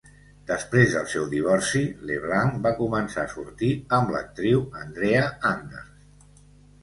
Després del seu divorci, LeBlanc va començar a sortir amb l'actriu Andrea Anders.